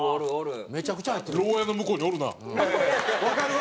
めちゃくちゃ入ってる。